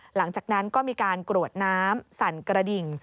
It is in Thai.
หลังจากนั้นก็มีการกรวดน้ำสั่นกระดิ่ง